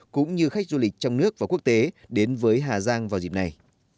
cũng như khách du lịch trong nước và quốc tế đến với hà giang vào dịp này